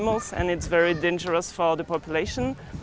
dan sangat berbahaya untuk populasi